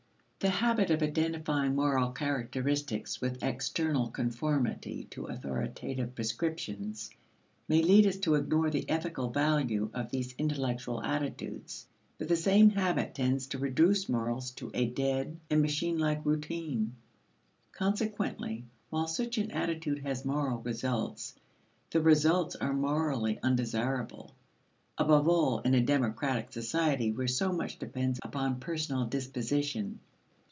The habit of identifying moral characteristics with external conformity to authoritative prescriptions may lead us to ignore the ethical value of these intellectual attitudes, but the same habit tends to reduce morals to a dead and machinelike routine. Consequently while such an attitude has moral results, the results are morally undesirable above all in a democratic society where so much depends upon personal disposition.